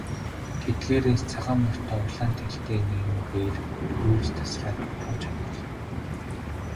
Тэдгээрээс цагаан морьтой улаан дээлтэй нэгэн бээр түрүүлж тасраад тун ч омголон.